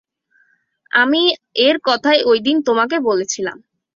আমি এর কথাই ঐদিন তোমাকে বলেছিলাম।